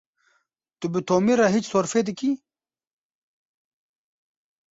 Tu bi Tomî re hîç sorfê dikî?